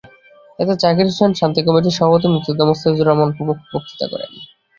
এতে জাকির হোসেন, শান্তি কমিটির সভাপতি মুক্তিযোদ্ধা মোস্তাফিজার রহমান প্রমুখ বক্তৃতা করেন।